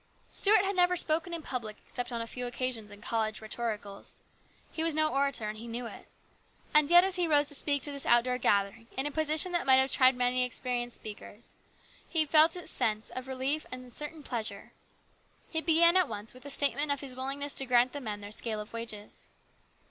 Stuart had never spoken in public except on a few occasions in college rhetoricals. He was no orator, and he knew it. And yet as he rose to speak to this outdoor gathering in a position that might have tried many experienced speakers, he felt a sense of relief and a certain pleasure. He began at once with a statement of his willing ness to grant the men their scale of wages.